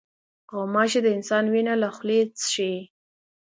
غوماشې د انسان وینه له خولې څښي.